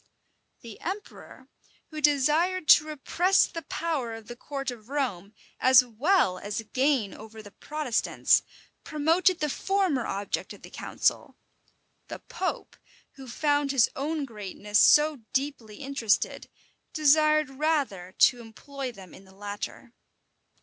The emperor, who desired to repress the power of the court of Rome, as well as gain over the Protestants, promoted the former object of the council; the pope, who found his own greatness so deeply interested, desired rather to employ them in the latter.